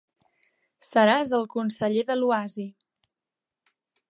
Seràs el conseller de l'oasi.